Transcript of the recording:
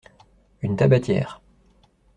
Une tabatière.